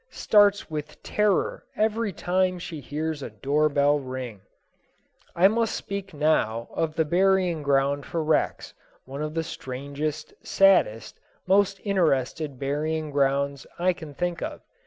starts with terror every time she hears a door bell ring. I must speak now of the burying ground for wrecks, one of the strangest, saddest, most interesting burying grounds I can think of.